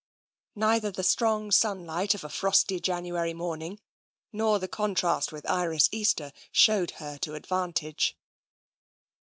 Neither the strong sunlight of a frosty January morning nor the contrast with Iris Easter showed her to advantage.